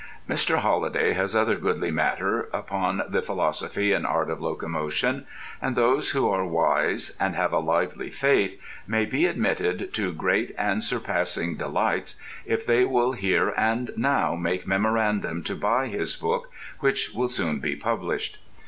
Mr. Holliday has other goodly matter upon the philosophy and art of locomotion, and those who are wise and have a lively faith may be admitted to great and surpassing delights if they will here and now make memorandum to buy his book, which will soon be published.